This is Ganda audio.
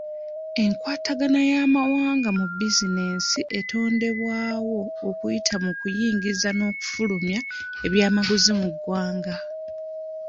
Enkwatagana n'amawanga mu bizinensi etondebwawo okuyita mu kuyingiza n'okufulumya ebyamaguzi mu ggwanga.